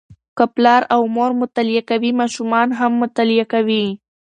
که پلار او مور مطالعه کوي، ماشومان هم مطالعه کوي.